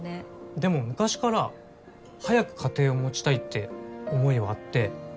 でも昔から早く家庭を持ちたいって思いはあって。